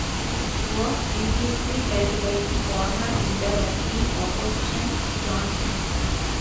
It was previously held by the former Leader of the Opposition John Smith.